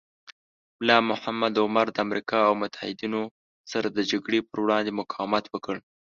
ملا محمد عمر د امریکا او متحدینو سره د جګړې پر وړاندې مقاومت وکړ.